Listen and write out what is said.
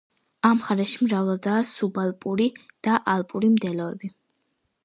ამ მხარეში მრავლადაა სუბალპური და ალპური მდელოები.